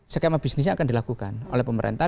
skema bisnisnya akan dilakukan oleh pemerintah